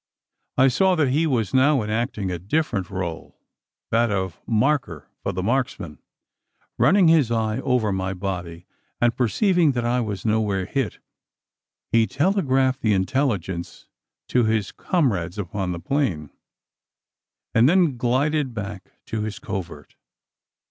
I saw that he was now enacting a different role that of marker for the marksmen. Running his eye over my body, and perceiving that I was nowhere hit, he telegraphed the intelligence to his comrades upon the plain; and then glided back to his covert.